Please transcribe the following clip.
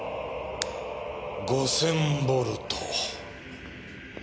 ５０００ボルト。